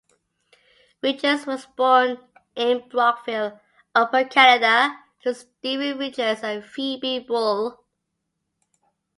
Richards was born in Brockville, Upper Canada to Stephen Richards and Phoebe Buell.